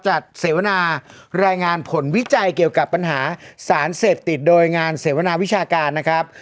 เสวนารายงานผลวิจัยเกี่ยวกับปัญหาสารเสพติดโดยงานเสวนาวิชาการนะครับ